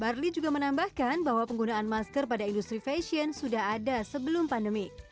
barli juga menambahkan bahwa penggunaan masker pada industri fashion sudah ada sebelum pandemi